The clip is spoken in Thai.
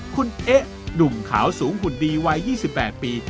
คุณเอ๊ะหนุ่มขาวสูงหุ่นดีวัย๒๘ปี